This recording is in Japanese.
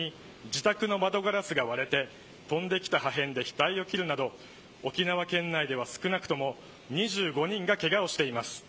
これまでに自宅の窓ガラスが割れ飛んできた破片で額を切るなど沖縄県内では少なくとも２５人がけがをしています。